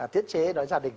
tiết chế nói với gia đình